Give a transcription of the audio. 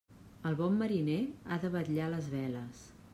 El bon mariner ha de vetllar les veles.